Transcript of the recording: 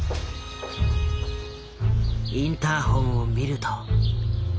インターホンを見ると。